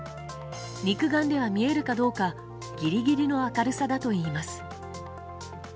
肉眼では見えるかどうかギリギリの明るさだといいます。